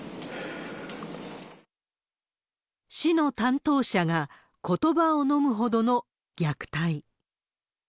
市の担当者がことばをのむほどの虐待。